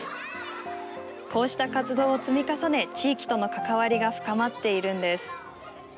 こうした活動を積み重ね地域との関わりが深まっているんです。